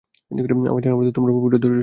আমার জানা মতে তোমরা পবিত্র, ধৈর্যশীল।